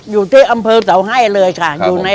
อยู่ที่อำเภอเสาให้เลยค่ะ